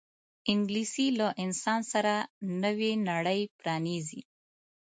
انګلیسي له انسان سره نوې نړۍ پرانیزي